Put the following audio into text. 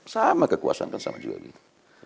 sama kekuasaan kan sama juga gitu